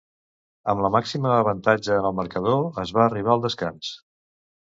Amb la màxima avantatge en el marcador es va arribar al descans.